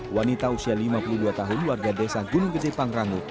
wanita usia lima puluh dua tahun warga desa gunung gede pangrangu